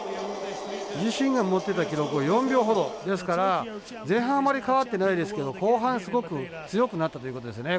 自身が持ってた記録を４秒ほどですから前半あまり変わってないですけど後半すごく強くなったということですね。